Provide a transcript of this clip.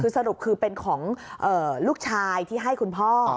คือสรุปคือเป็นของลูกชายที่ให้คุณพ่อ